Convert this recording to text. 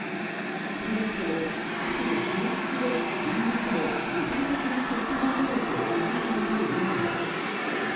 少なくとも、あと数日で何らかの具体的な結果が出るとみられるというのです。